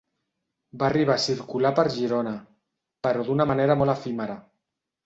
Va arribar a circular per Girona, però d'una manera molt efímera.